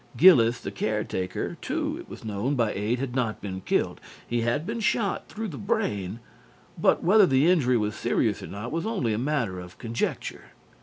Gillis, the caretaker, too, it was known by eight, had not been killed. He had been shot through the brain, but whether the injury was serious or not was only a matter of conjecture.